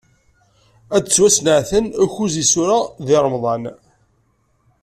Ad d-ttwasneɛten ukkuẓ n yisura di Remḍan.